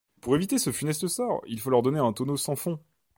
Pour éviter ce funeste sort, il faut leur donner un tonneau sans fond.